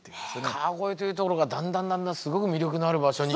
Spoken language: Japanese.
川越というところがだんだんだんだんすごく魅力のある場所に。